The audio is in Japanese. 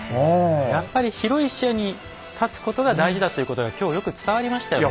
やっぱり広い視野に立つことが大事だということが今日よく伝わりましたよね。